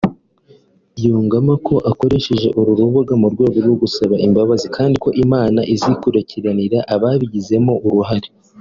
yungamo ko akoresheje uru rubuga mu rwego rwo gusaba imbabazi kandi ko Imana izikurikiranira ababigizemo uruhare